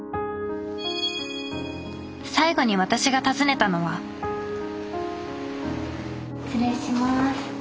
最後に私が訪ねたのは失礼します。